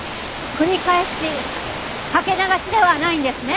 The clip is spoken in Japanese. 繰り返しかけ流しではないんですね？